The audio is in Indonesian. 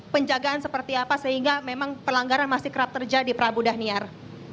penjagaan seperti apa sehingga memang pelanggaran masih kerap terjadi prabu dhaniar